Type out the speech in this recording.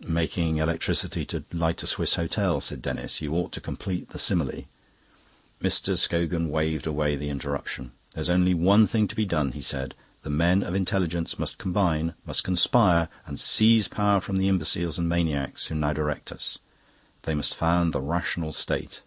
"Making electricity to light a Swiss hotel," said Denis. "You ought to complete the simile." Mr. Scogan waved away the interruption. "There's only one thing to be done," he said. "The men of intelligence must combine, must conspire, and seize power from the imbeciles and maniacs who now direct us. They must found the Rational State."